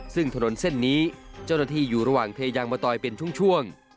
ซึ่งถนนเส้นนี้เจ้าหน้าที่อยู่ระหว่างเทยางมะตอยเป็นช่วง